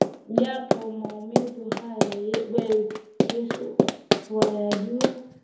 Japo maumivu haya wewe Yesu wayajua